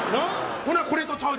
ほなこれとちゃうで。